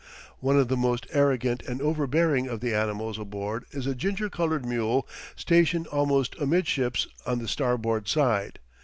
One of the most arrogant and overbearing of the animals aboard is a ginger colored mule stationed almost amidships on the starboard side.